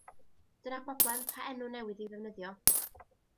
Dyna'r broblem, pa enw newydd i'w ddefnyddio?